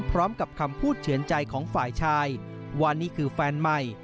พร้อมกับคำพูดเฉือนใจของฝ่ายชายว่านี่คือแฟนใหม่